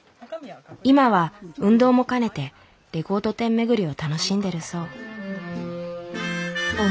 今は運動も兼ねてレコード店巡りを楽しんでるそう。